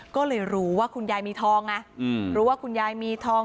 ก็เลยรู้ว่าคุณยายมีทองไงรู้ว่าคุณยายมีทอง